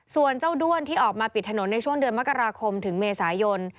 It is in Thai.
ส่วนเจ้าด้วนที่ออกมาปิดถนนในช่วงเดือนมกราคมถึงเมษายน